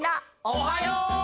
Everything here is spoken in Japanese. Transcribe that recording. おはよう！